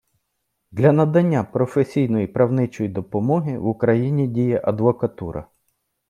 Для надання професійної правничої допомоги в Україні діє адвокатура.